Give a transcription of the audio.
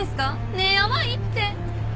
ねえヤバいって。